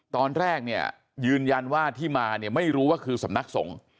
ตอนแรกเนี่ยยืนยันว่าที่มาเนี่ยไม่รู้ว่าคือสำนักสงฆ์